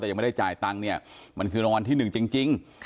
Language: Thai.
แต่ยังไม่ได้จ่ายตังค์มันคือนอนที่๑จริง